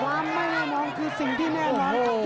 ความไม่แน่นอนคือสิ่งที่แน่นอนครับ